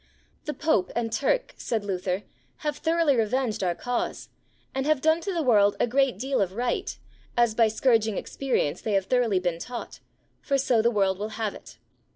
The Pope and Turk, said Luther, have thoroughly revenged our cause, and have done to the world a great deal of right, as by scourging experience they have thoroughly been taught, for so the world will have it.